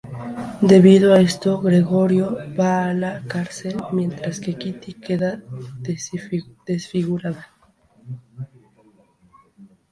Debido a esto, Gregorio va a la cárcel mientras que Kitty queda desfigurada.